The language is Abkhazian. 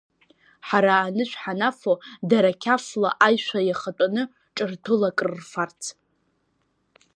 Ҳара анышә ҳанафо дара қьафла аишәа иахатәаны ҿырҭәыла акрырфарц.